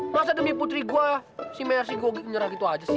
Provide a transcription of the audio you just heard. masa demi putri gua si mer si gua nyerah gitu aja sih